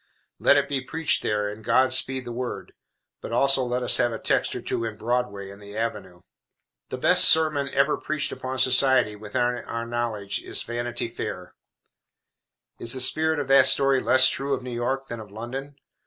Let it be preached there and God speed the Word. But also let us have a text or two in Broadway and the Avenue. The best sermon ever preached upon society, within our knowledge, is Vanity Fair. Is the spirit of that story less true of New York than of London?